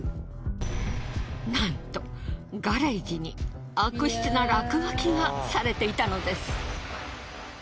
なんとガレージに悪質な落書きがされていたのです。